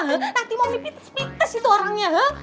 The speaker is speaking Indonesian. nanti mau mites mites itu orangnya